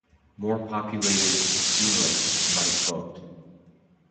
More populated "schemas" might vote.